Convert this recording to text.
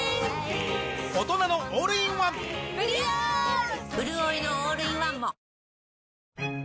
うるおいのオールインワンも！